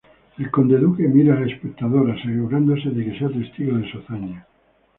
El conde-duque mira al espectador, asegurándose de que sea testigo de su hazaña.